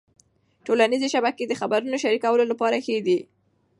ټولنيزې شبکې د خبرونو شریکولو لپاره ښې دي.